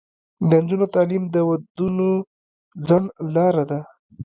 د نجونو تعلیم د ودونو ځنډ لاره ده.